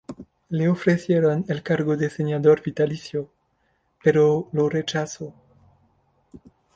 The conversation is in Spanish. Le ofrecieron el cargo de senador vitalicio, pero lo rechazó.